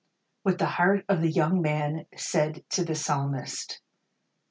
■WHAT THE HEART OF THE YOUNG MAN SAID TO THE PSALMIST.